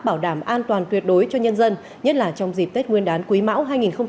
bảo đảm an toàn tuyệt đối cho nhân dân nhất là trong dịp tết nguyên đán quý mão hai nghìn hai mươi